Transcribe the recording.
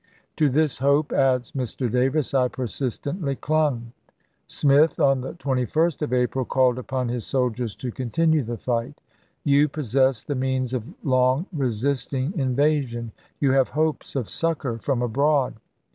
.."" To this hope," adds Mr. Davis, " I persistently clung." 1865 Smith, on the 21st of April, called upon his soldiers to continue the fight. " You possess the means of long resisting invasion. You have hopes of succor from abroad.